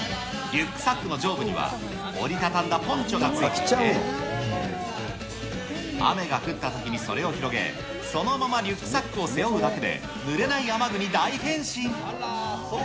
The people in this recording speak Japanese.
リュックサックの上部には、折り畳んだポンチョが付いていて、雨が降ったときにそれを広げ、そのままリュックサックを背負うだけでぬれない雨具に大変身。